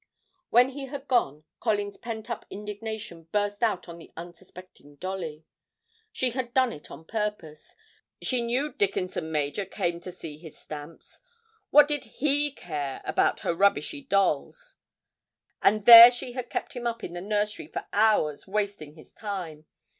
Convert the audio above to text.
When he had gone, Colin's pent up indignation burst out on the unsuspecting Dolly. She had done it on purpose. She knew Dickinson major came to see his stamps. What did he care about her rubbishy dolls? And there she had kept him up in the nursery for hours wasting his time!